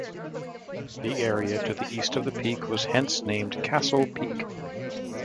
The area to the east of the peak was hence named Castle Peak.